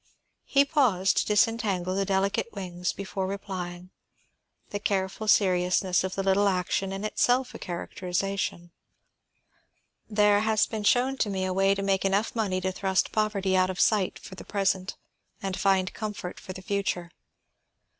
He paused to disentangle the delicate wings before replying, the careful seriousness of the little action in itself a characterization. "There has been shown to me a way to make enough money to thrust poverty out of sight for the present and find comfort for the future.